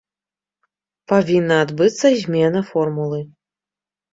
Павінна адбыцца змена формулы.